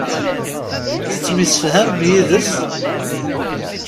Tettemsefhamem yid-s?